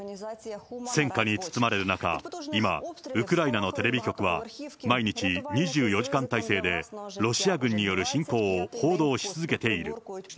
戦火に包まれる中、今、ウクライナのテレビ局は毎日２４時間体制で、ロシア軍による侵攻を報道し続けている。